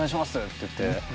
って言って。